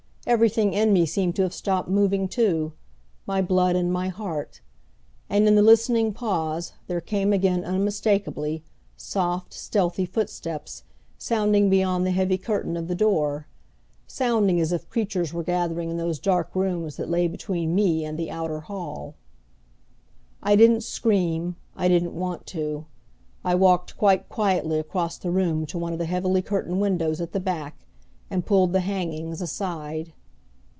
Everything in me seemed to have stopped moving, too my blood and my heart. And, in the listening pause, there came again unmistakably, soft, stealthy footsteps, sounding beyond the heavy curtain of the door sounding as if creatures were gathering in those dark rooms that lay between me and the outer hall. I didn't scream. I didn't want to. I walked quite quietly across the room to one of the heavily curtained windows at the back, and pulled the hangings aside.